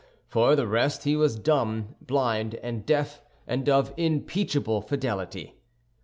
For the rest, he was dumb, blind, and deaf, and of unimpeachable fidelity.